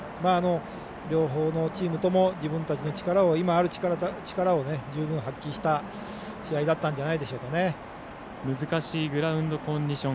両方のチームとも自分たちの今ある力を十分発揮した難しいグラウンドコンディション。